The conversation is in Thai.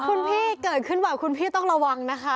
คุณพี่เกิดขึ้นบ่อยคุณพี่ต้องระวังนะคะ